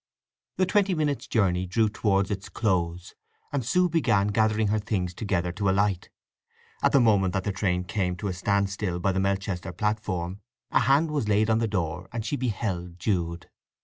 The twenty minutes' journey drew towards its close, and Sue began gathering her things together to alight. At the moment that the train came to a stand still by the Melchester platform a hand was laid on the door and she beheld Jude.